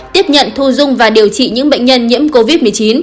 tiếp nhận thu dung và điều trị những bệnh nhân nhiễm covid một mươi chín